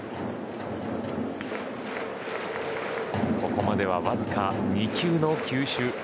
ここまではわずか２球の球種。